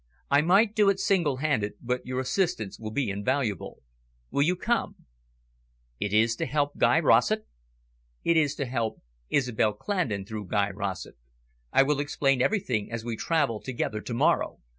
I might do it single handed, but your assistance will be invaluable. Will you come?" "It is to help Guy Rossett?" "It is to help Isobel Clandon through Guy Rossett. I will explain everything as we travel together to morrow."